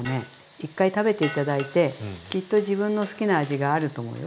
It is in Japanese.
一回食べて頂いてきっと自分の好きな味があると思うよ。